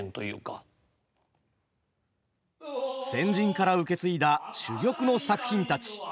先人から受け継いだ珠玉の作品たち。